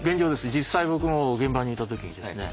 実際僕も現場にいた時にですね